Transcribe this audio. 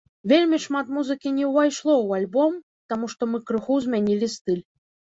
Вельмі шмат музыкі не ўвайшло ў альбом, таму што мы крыху змянілі стыль.